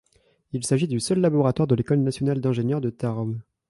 Il s'agit du seul laboratoire de l'École nationale d'ingénieurs de Tarbes.